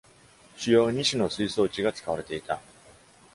主要二種の水草地が使われていた。